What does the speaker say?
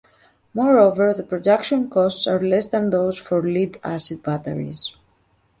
Moreover the production costs are less that those for lead-acid batteries.